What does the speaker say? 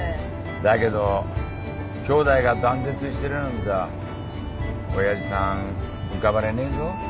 だけど兄弟が断絶してるなんざおやじさん浮かばれねえぞ。